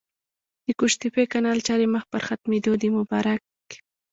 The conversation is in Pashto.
د قوشتېپې کانال چارې مخ پر ختمېدو دي! مبارک